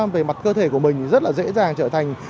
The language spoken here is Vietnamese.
về mặt cơ thể của mình rất là dễ dàng trở thành